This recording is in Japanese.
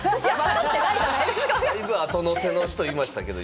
だいぶ後のせの人いましたけれども。